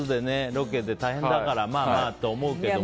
ロケで大変だからまあまあって思うけども。